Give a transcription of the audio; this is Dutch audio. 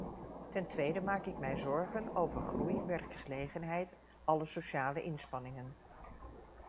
Ten tweede maak ik mij zorgen over groei, werkgelegenheid, alle sociale inspanningen.